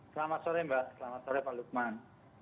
selamat sore mbak selamat sore pak lukman